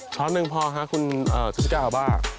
ช้อนึงพอค่ะคุณเซ้นทิก้าวบ้า